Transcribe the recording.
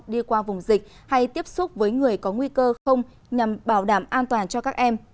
đi qua vùng dịch hay tiếp xúc với người có nguy cơ không nhằm bảo đảm an toàn cho các em